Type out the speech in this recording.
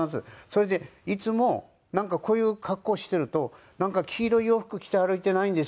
それでいつもなんかこういう格好をしていると黄色い洋服着て歩いていないんですか？